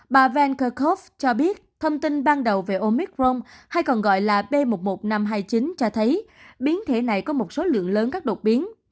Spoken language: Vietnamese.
bà van kerkhove cho biết thông tin ban đầu về omicron cho thấy biến thể này có một số lượng lớn các đột biến